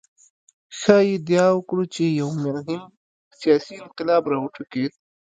ښايي ادعا وکړو چې یو مهم سیاسي انقلاب راوټوکېد.